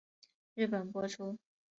日本播出。